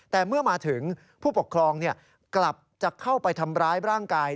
แต่เมื่อมาถึงผู้ปกครองกลับจะเข้าไปทำร้ายร่างกาย